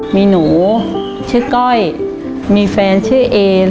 มีหนูชื่อก้อยมีแฟนชื่อเอน